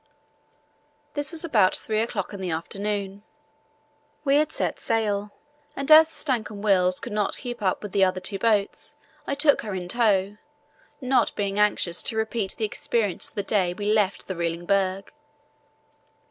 This was about three o'clock in the afternoon. We had set sail, and as the Stancomb Wills could not keep up with the other two boats I took her in tow, not being anxious to repeat the experience of the day we left the reeling berg.